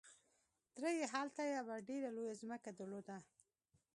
تره يې هلته يوه ډېره لويه ځمکه درلوده.